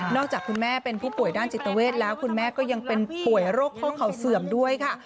จากคุณแม่เป็นผู้ป่วยด้านจิตเวทแล้วคุณแม่ก็ยังเป็นป่วยโรคข้อเข่าเสื่อมด้วยค่ะ